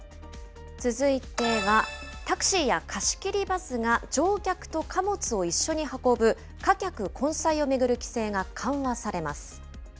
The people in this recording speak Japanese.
続いては、タクシーや貸し切りバスが、乗客と貨物を一緒に運ぶ、貨客混載を巡る規制が緩和されます。